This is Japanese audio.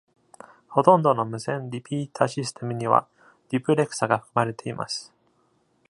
ほとんどの無線リピータシステムにはデュプレクサが含まれています。